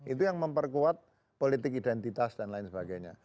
itu yang memperkuat politik identitas dan lain sebagainya